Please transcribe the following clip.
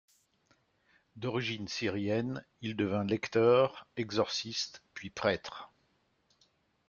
D'origine syrienne, il devint lecteur, exorciste puis prêtre.